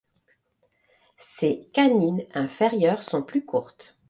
Ses canines inférieures sont plus courtes.